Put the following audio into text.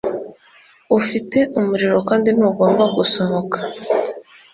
Ufite umuriro kandi ntugomba gusohoka.